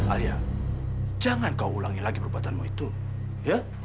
alia jangan kau ulangi lagi perbuatanmu itu ya